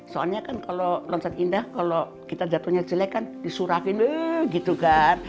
soalnya kan kalau lonset indah kalau kita jatuhnya jelek kan disurahin gitu kan